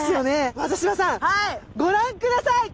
松嶋さんご覧ください！